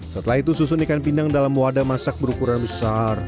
setelah itu susun ikan pindang dalam wadah masak berukuran besar